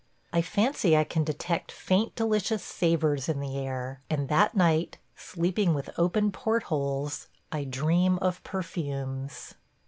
... I fancy I can detect faint delicious savors in the air, and that night – sleeping with open port holes – I dream of perfumes.